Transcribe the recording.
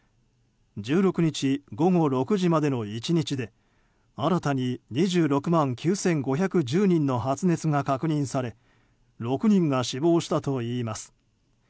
１６日午後６時までの１日で新たに２６万９５１０人の発熱が確認され６人が死亡したといいます。